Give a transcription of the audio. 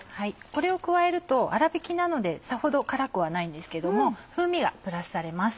これを加えると粗びきなのでさほど辛くはないんですけども風味がプラスされます。